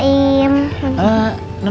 selamat pagi maurya pak bu oim